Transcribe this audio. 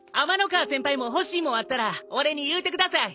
河先輩も欲しいもんあったら俺に言うてください。